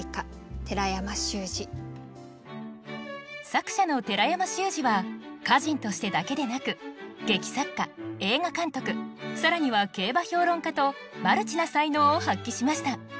作者の寺山修司は歌人としてだけでなく劇作家映画監督更には競馬評論家とマルチな才能を発揮しました。